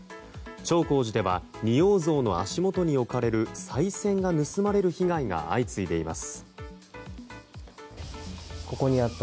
長光寺では、仁王像の足元に置かれるさい銭が盗まれる被害が相次いでいます。